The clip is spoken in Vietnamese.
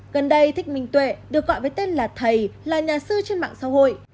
gần đây thích minh tuệ được gọi với tên là thầy là nhà sư trên mạng xã hội